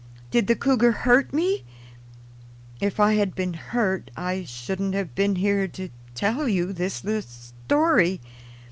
Did the cougar hurt me? If I had been hurt I shouldn't have been here to tell you this story.